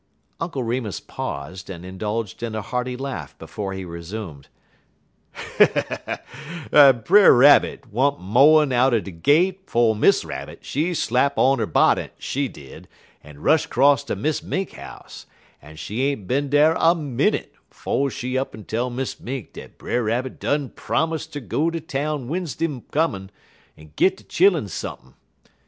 Uncle Remus paused, and indulged in a hearty laugh before he resumed: "Brer Rabbit wa'n't mo'n out'n de gate 'fo' Miss Rabbit, she slap on 'er bonnet, she did, en rush 'cross ter Miss Mink house, en she ain't bin dar a minnit 'fo' she up'n tell Miss Mink dat Brer Rabbit done promise ter go ter town We'n'sday comin' en git de chilluns sump'n'.